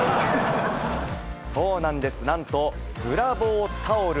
そうなんです、なんとブラボータオル。